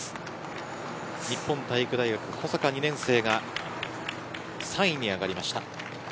日本体育大学保坂２年生が３位に上がりました。